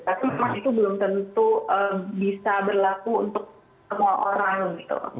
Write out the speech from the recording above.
tapi memang itu belum tentu bisa berlaku untuk semua orang gitu